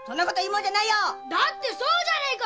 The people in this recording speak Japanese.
だってそうじゃねえか。